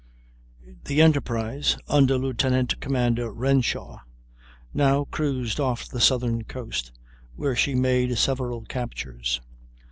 ] The Enterprise, under Lieut. Com. Renshaw, now cruised off the southern coast, where she made several captures.